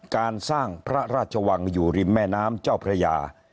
การสร้างพระราชวังอยู่ริมแม่น้ำเจ้าพระยา